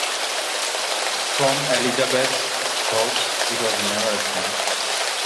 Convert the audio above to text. From Elizabeth's thoughts it was never absent.